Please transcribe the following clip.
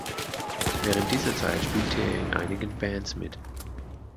Während dieser Zeit spielte er in einigen Bands mit.